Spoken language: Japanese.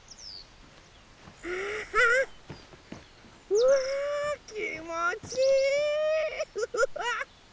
うわきもちいい！